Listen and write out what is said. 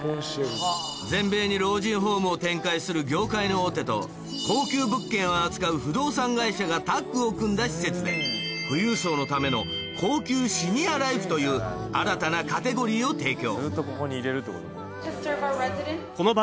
全米に老人ホームを展開する業界の大手と高級物件を扱う不動産会社がタッグを組んだ施設でという新たなカテゴリーを提供